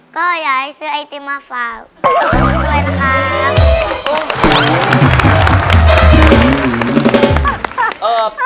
ก็อยากให้ซื้อไอติมมาฟาวด้วยนะครับ